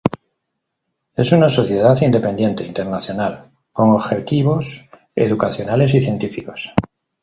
Es una sociedad independiente, internacional, con objetivos educacionales y científicos.